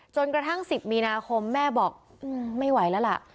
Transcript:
กระทั่ง๑๐มีนาคมแม่บอกไม่ไหวแล้วล่ะ